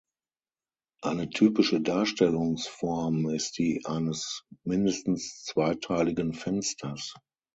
Eine typische Darstellungsform ist die eines mindestens zweiteiligen Fensters.